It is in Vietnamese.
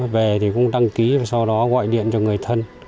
về thì cũng đăng ký và sau đó gọi điện cho người thân